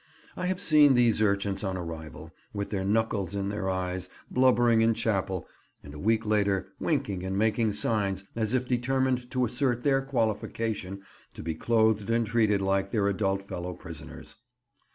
I have seen these urchins on arrival, with their knuckles in their eyes, blubbering in chapel, and a week later winking and making signs as if determined to assert their qualification to be clothed and treated like their adult fellow prisoners.